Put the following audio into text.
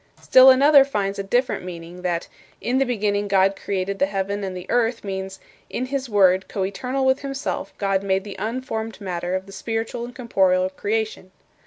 Still another finds a different meaning, that "In the beginning God created the heaven and the earth" means, "In his Word, coeternal with himself, God made the unformed matter of the spiritual and corporeal creation."